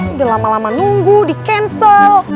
udah lama lama nunggu di cancel